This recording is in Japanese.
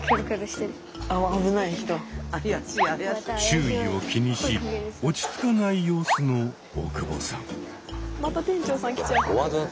周囲を気にし落ち着かない様子の大久保さん。